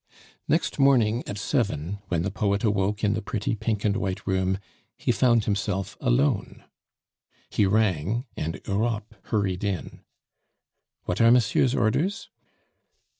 Next morning, at seven, when the poet awoke in the pretty pink and white room, he found himself alone. He rang, and Europe hurried in. "What are monsieur's orders?"